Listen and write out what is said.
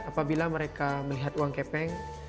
apabila mereka melihat uang kepeng